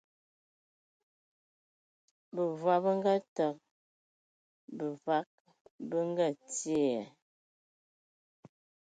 Bevag be ngaateg, bevag be ngaatie ai.